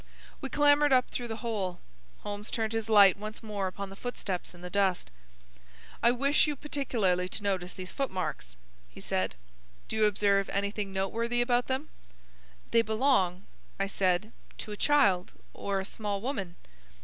We clambered up through the hole. Holmes turned his light once more upon the footsteps in the dust. "I wish you particularly to notice these footmarks," he said. "Do you observe anything noteworthy about them?" "They belong," I said, "to a child or a small woman."